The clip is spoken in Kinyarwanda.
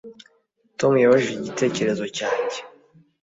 Tom yabajije igitekerezo cyanjye